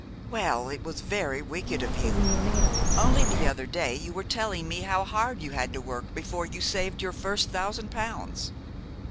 "Well, it was very wicked of you. Only the other day you were telling me how hard you had to work before you saved your first thousand pounds."